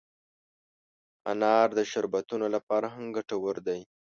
انار د شربتونو لپاره هم ګټور دی.